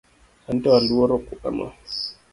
Anto aluoro kuano